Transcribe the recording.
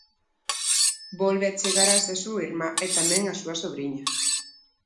Volve achegarase a súa irmá, e tamén á súa sobriña.